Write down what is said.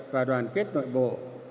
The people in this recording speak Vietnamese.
và đoàn kết nội bộ